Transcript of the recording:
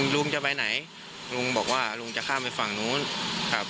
ลุงจะไปไหนลุงบอกว่าลุงจะข้ามไปฝั่งนู้นครับ